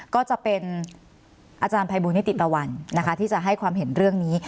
ก็จะเป็นอาจารย์ภัยบูรณิติตะวันนะคะที่จะให้ความเห็นเรื่องนี้